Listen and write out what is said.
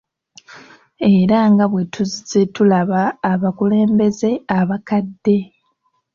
Era nga bwe tuzze tulaba abakulembeze abakadde.